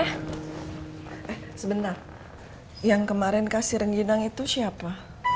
eh sebenarnya yang kemarin kasih rengginang itu siapa